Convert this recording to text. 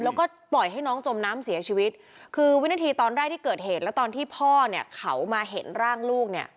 แล้วก็ปล่อยให้น้องจมน้ำเสียชีวิตคือวินาทีตอนแรกที่เกิดเหตุแล้วตอนที่พ่อเนี่ยเขามาเห็นร่างลูกเนี่ย